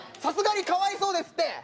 さすがにかわいそうですって。